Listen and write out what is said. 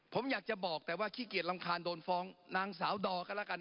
ผมอยากจะบอกแต่ว่าขี้เกียจรำคาญโดนฟ้องนางสาวดอกันแล้วกัน